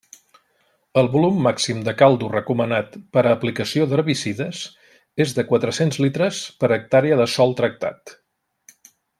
El volum màxim de caldo recomanat per a aplicació d'herbicides és de quatre-cents litres per hectàrea de sòl tractat.